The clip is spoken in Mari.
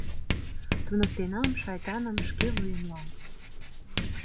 Туныктенам, шайтаным, шке вуемлан.